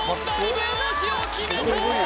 文押しを決めた！